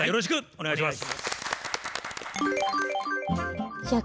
お願いします。